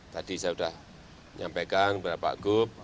tadi saya sudah menyampaikan kepada pak gup